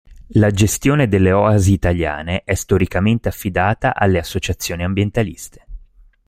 La gestione delle oasi italiane è storicamente affidata alle associazioni ambientaliste.